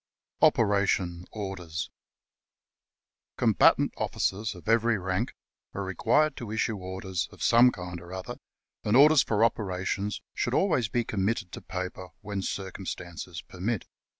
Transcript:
OPERATION ORDERS COMBATANT officers of every rank are required to issue orders of some kind or other, and orders for operations should always be committed to paper when circumstances permit.